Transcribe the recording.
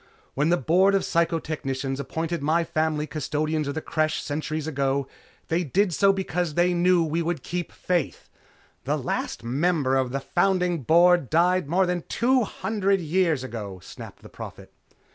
When the Board of Psychotechnicians appointed my family custodians of the Creche centuries ago, they did so because they knew we would keep faith " "The last member of the founding Board died more than two hundred years ago," snapped the Prophet.